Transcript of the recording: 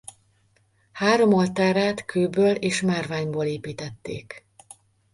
Három oltárát kőből és márványból építették.